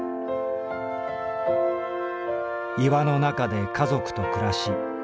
「岩のなかで家族と暮らし